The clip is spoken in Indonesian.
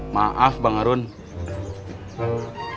maaf bang harun